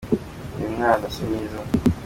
uyumwana simwiza